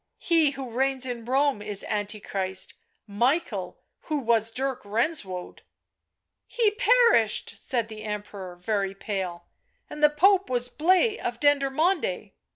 " He who reigns in Rome is Antichrist, Michael, who was Dirk Renswoude "" He perished," said the Emperor, very pale; " and the Pope was Blaise of Dendermonde."